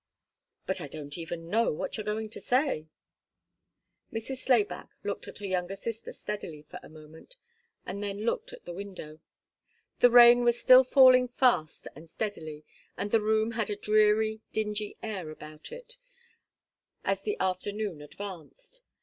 "But I don't even know what you're going to say " Mrs. Slayback looked at her younger sister steadily for a moment, and then looked at the window. The rain was still falling fast and steadily; and the room had a dreary, dingy air about it as the afternoon advanced.